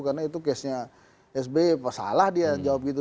karena itu kesnya sbe salah dia menjawab gitu